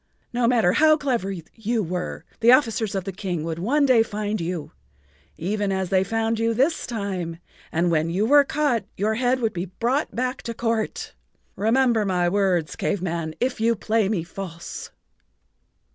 No matter how clever you were, the officers of the King would one day find you—even as they found you this time—and when you were caught your head would be brought back to court. Remember my words, Cave Man, if you play me false."